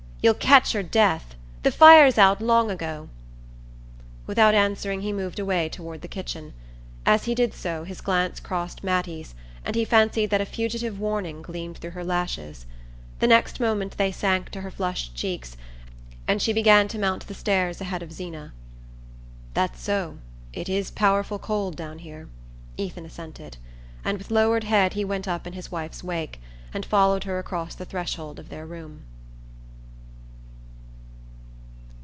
You'll ketch your death. The fire's out long ago." Without answering he moved away toward the kitchen. As he did so his glance crossed Mattie's and he fancied that a fugitive warning gleamed through her lashes. The next moment they sank to her flushed cheeks and she began to mount the stairs ahead of Zeena. "That's so. It is powerful cold down here," Ethan assented; and with lowered head he went up in his wife's wake, and followed her across the threshold of their room.